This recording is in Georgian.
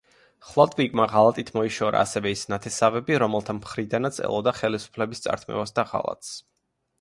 ხლოდვიგმა ღალატით მოიშორა ასევე ის ნათესავები, რომელთა მხრიდანაც ელოდა ხელისუფლების წართმევას და ღალატს.